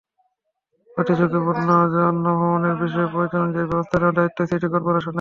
অতিঝুঁকিপূর্ণ অন্য ভবনের বিষয়ে প্রয়োজন অনুযায়ী ব্যবস্থা নেওয়ার দায়িত্ব সিটি করপোরেশনের।